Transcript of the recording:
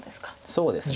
そうですね。